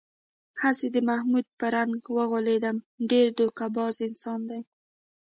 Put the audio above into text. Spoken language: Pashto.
هسې د محمود په رنگ و غولېدم، ډېر دوکه باز انسان دی.